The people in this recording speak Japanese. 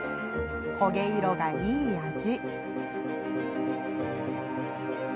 焦げ色がいい味。